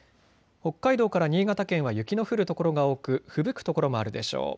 北海道から新潟県は雪の降るところが多く、ふぶく所もあるでしょう。